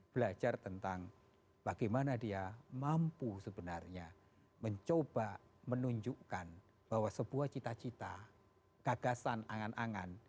belajar tentang bagaimana dia mampu sebenarnya mencoba menunjukkan bahwa sebuah cita cita gagasan angan angan